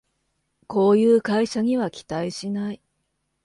こういう会社には期待しない